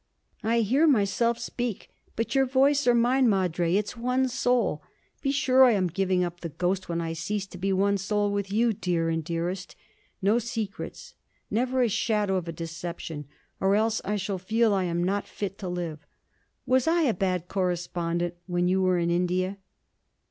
'I hear myself speak! But your voice or mine, madre, it's one soul. Be sure I am giving up the ghost when I cease to be one soul with you, dear and dearest! No secrets, never a shadow of a deception, or else I shall feel I am not fit to live. Was I a bad correspondent when you were in India?'